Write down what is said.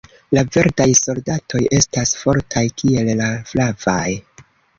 La verdaj soldatoj estas fortaj kiel la flavaj.